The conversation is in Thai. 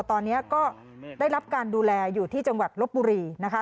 ตอนนี้ก็ได้รับการดูแลอยู่ที่จังหวัดลบบุรีนะคะ